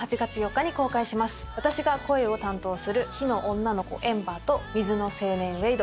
私が声を担当する火の女の子エンバーと水の青年ウェイド。